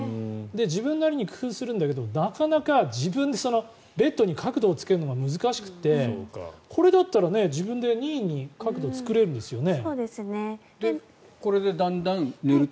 自分なりに工夫するんだけどなかなか自分でベッドに角度をつけるのが難しくて、これだったら自分で任意に角度を作れるんですよね。